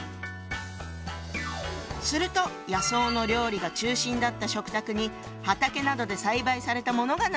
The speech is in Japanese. すると野草の料理が中心だった食卓に畑などで栽培されたものが並ぶように。